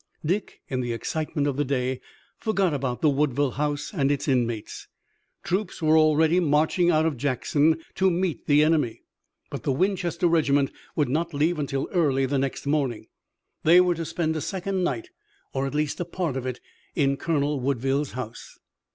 Dick, in the excitement of the day, forgot about the Woodville house and its inmates. Troops were already marching out of Jackson to meet the enemy, but the Winchester regiment would not leave until early the next morning. They were to spend a second night, or at least a part of it, in Colonel Woodville's house.